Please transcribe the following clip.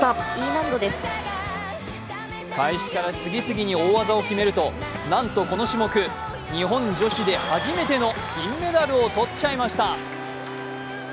開始から次々に大技を決めるとなんとこの種目、日本女子で初めての銀メダルを取っちゃいました。